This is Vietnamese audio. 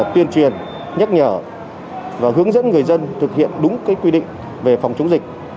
truyền nhắc nhở và hướng dẫn người dân thực hiện đúng cái quy định về phòng chống dịch